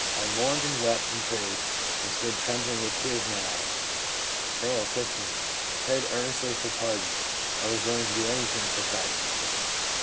'I mourned and wept and prayed, and stood trembling, with tears in my eyes.' M., 15. ' I prayed earnestly for pardon; I was willing to do anything for Christ.